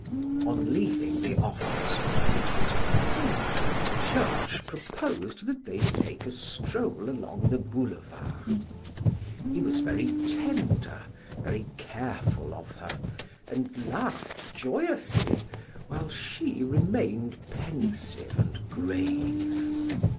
On leaving the office, as it was pleasant, Georges proposed that they take a stroll along the boulevards. He was very tender, very careful of her, and laughed joyously while she remained pensive and grave.